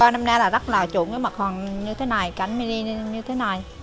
năm nay là rất là chủng mặt hàng như thế này cánh mini như thế này